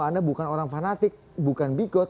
anda bukan orang fanatik bukan bigot